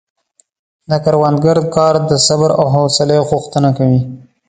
د کروندګر کار د صبر او حوصلې غوښتنه کوي.